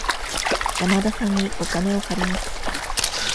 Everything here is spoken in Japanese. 山田さんにお金を借ります。